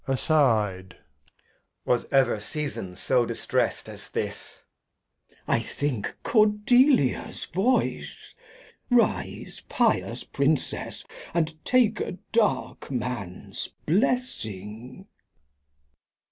Edg. Was ever Season so distrest as this? [Aside. Glost. I think Cordelia's Voice ! rise pious Princess, And take a dark Man's Blessing.